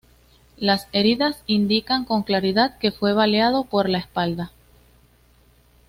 Las heridas indican con claridad que fue baleado por la espalda.